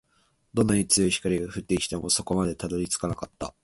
どんなに強い光が降ってきても、底までたどり着かなかった